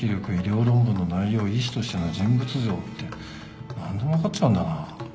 医師としての人物像って何でも分かっちゃうんだな。